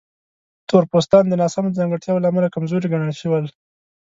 تور پوستان د ناسمو ځانګړتیاوو له امله کمزوري ګڼل شول.